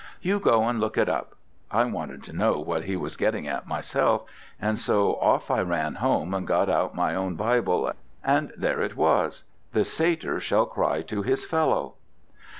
'You go and look it up.' I wanted to know what he was getting at myself, and so off I ran home and got out my own Bible, and there it was: 'the satyr shall cry to his fellow.'